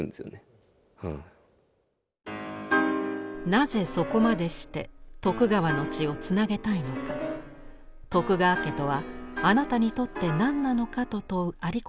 「なぜそこまでして徳川の血をつなげたいのか徳川家とはあなたにとって何なのか」と問う有功に春日局は答えます。